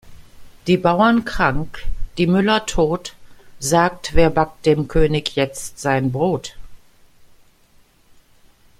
Die Bauern krank, die Müller tot, sagt wer backt dem König jetzt sein Brot?